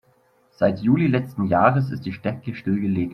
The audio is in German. Seit Juli letzten Jahres ist die Strecke stillgelegt.